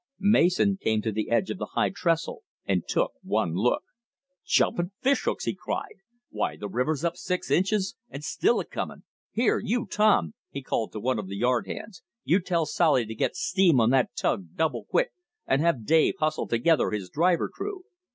Mason came to the edge of the high trestle and took one look. "Jumping fish hooks!" he cried. "Why, the river's up six inches and still a comin'! Here you, Tom!" he called to one of the yard hands, "you tell Solly to get steam on that tug double quick, and have Dave hustle together his driver crew."